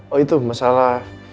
oh itu masalah